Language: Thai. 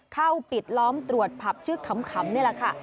เข้าปิดล้อมตรวจผับชื่อขำนี่แหละค่ะ